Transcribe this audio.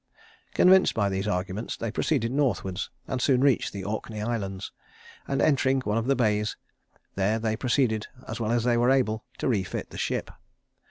Convinced by these arguments, they proceeded northwards, and soon reached the Orkney Islands; and entering one of the bays there they proceeded, as well as they were able, to refit the ship.